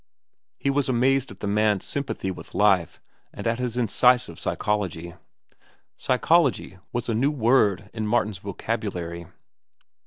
He was amazed at the man's sympathy with life and at his incisive psychology. Psychology was a new word in Martin's vocabulary.